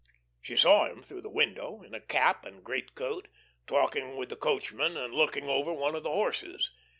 She saw him through the window, in a cap and great coat, talking with the coachman and looking over one of the horses.